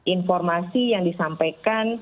informasi yang disampaikan